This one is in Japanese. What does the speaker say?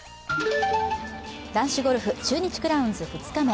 男子ゴルフ、中日クラウンズ２日目。